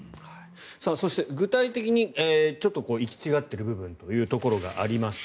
そして具体的に行き違っている部分というのがあります。